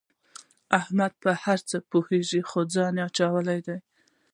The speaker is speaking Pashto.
احمد په هر څه پوهېږي خو ځان یې اچولی دی.